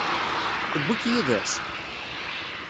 Tewwi-k yid-s?